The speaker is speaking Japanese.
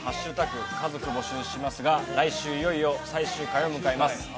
家族募集します」が来週いよいよ最終回を迎えます